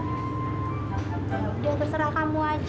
oke udah terserah kamu aja